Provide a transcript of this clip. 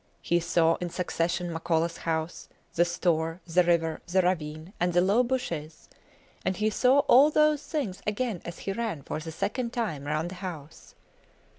He saw in succession Makolas house, the store, the river, the ravine, and the low bushes; and he saw all those things again as he ran for the second time round the house.